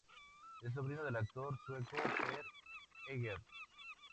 Es sobrino del actor sueco Per Eggers.